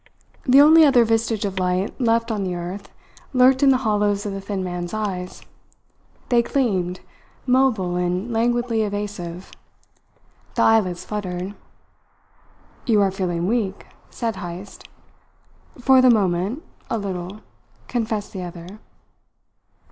The only other vestige of light left on earth lurked in the hollows of the thin man's eyes. They gleamed, mobile and languidly evasive. The eyelids fluttered. "You are feeling weak," said Heyst. "For the moment, a little," confessed the other.